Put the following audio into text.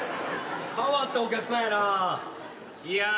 変わったお客さんやなぁ。